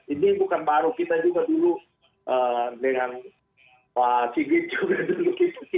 ini bukan baru kita juga dulu dengan pak sigit juga dulu